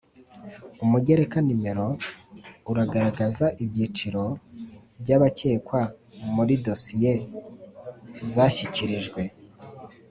Umugereka no uragaragaza ibyiciro by abakekwa muri dosiye zashyikirijwe